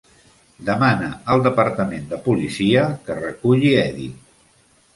Demana al departament de policia que reculli Eddie.